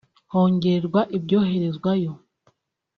hongerwa ibyoherezwayo